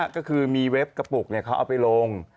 ก็คือมีเวฟกระปุกเนี่ยเขาเอาไปลง